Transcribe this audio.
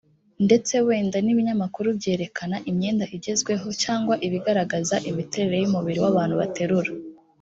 ndetse wenda n ibinyamakuru byerekana imyenda igezweho cyangwa ibigaragaza imiterere y umubiri wabantu baterura